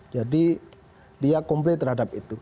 jadi dia komplit terhadap itu